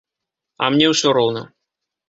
А мне ўсё роўна.